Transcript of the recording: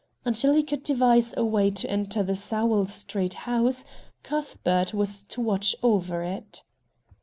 Until he could devise a way to enter the Sowell Street house. Cuthbert was to watch over it.